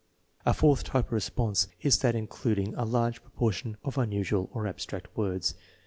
A fourth type of response is that including a large pro portion of unusual or abstract words.